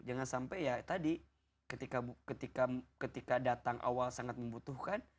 jangan sampai ya tadi ketika datang awal sangat membutuhkan